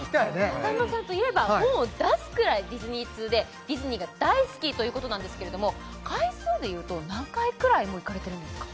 風間さんといえば本を出すくらいディズニー通でディズニーが大好きということなんですけれども回数でいうと何回くらいもう行かれてるんですか？